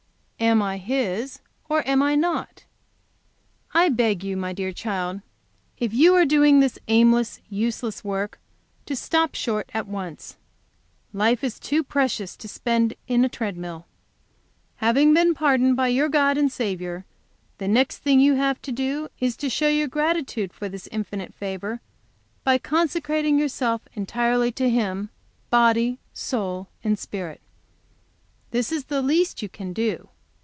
Am I His or am I not?' "I beg you, my dear child, if you are doing this aimless, useless work, to stop short at once. Life is too precious to spend in a tread mill.. Having been pardoned by your God and Saviour, the next thing you have to do is to show your gratitude for this infinite favor by consecrating yourself entirely to Him, body, soul, and spirit. This is the least you can do.